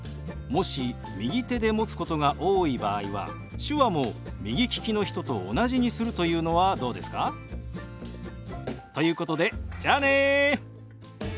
もし右手で持つことが多い場合は手話も右利きの人と同じにするというのはどうですか？ということでじゃあね。